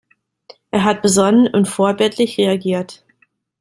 Er hat besonnen und vorbildlich reagiert.